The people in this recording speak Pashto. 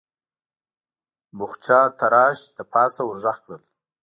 پخڅه تراش له پاسه ور غږ کړل: